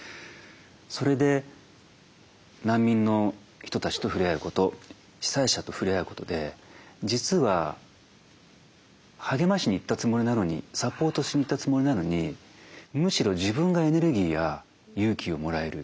それで難民の人たちと触れ合うこと被災者と触れ合うことで実は励ましに行ったつもりなのにサポートしに行ったつもりなのにむしろ自分がエネルギーや勇気をもらえる。